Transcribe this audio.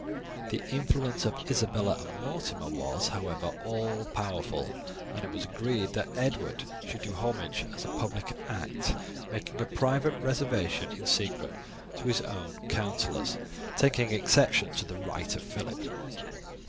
The influence of Isabella and Mortimer was, however, all powerful, and it was agreed that Edward should do homage as a public act, making a private reservation in secret to his own councillors, taking exception to the right of Phillip.